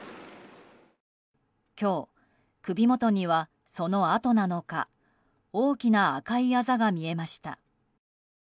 今日、首元にはその痕なのか大きな赤いあざが見えました。